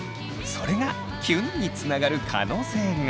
それがキュンにつながる可能性が。